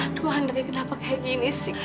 aduh andre kenapa kayak gini sih